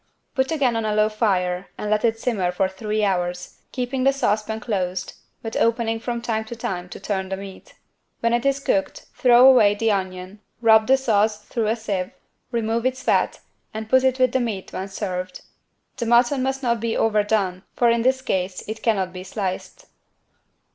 Put again on a low fire and let it simmer for three hours, keeping the saucepan closed, but opening from time to time to turn the meat. When it is cooked, throw away the onion, rub the sauce through a sieve, remove its fat and put it with the meat when served. The mutton must not be overdone, for in this case it cannot be sliced.